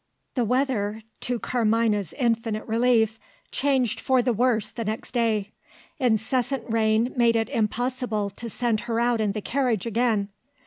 The weather, to Carmina's infinite relief, changed for the worse the next day. Incessant rain made it impossible to send her out in the carriage again.